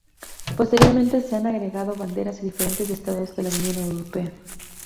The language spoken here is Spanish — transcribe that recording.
Posteriormente se han agregado banderas de diferentes estados de la Unión Europea.